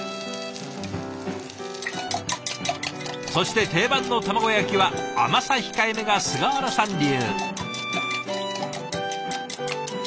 そして定番の卵焼きは甘さ控えめが菅原さん流。